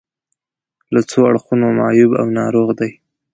له څو اړخونو معیوب او ناروغ دي.